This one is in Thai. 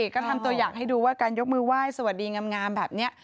ก็ทำตัวอย่างให้ดูว่าการยกมือไหว้สวัสดีงามแบบนี้